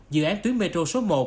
dự án tuyến metro số một